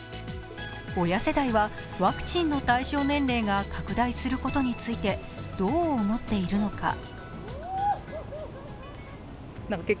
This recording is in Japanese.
親世代はワクチンの対象年齢が拡大することについてどう思っているのか。